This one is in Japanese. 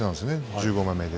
１５枚目で。